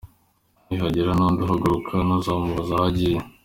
Nihagira n’undi uhaguruka ntukamubaze aho agiye;.